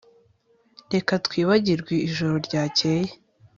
Reka twibagirwe ijoro ryakeye